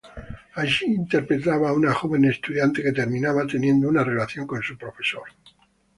Allí interpretaba a una joven estudiante que terminaba teniendo una relación con su profesor.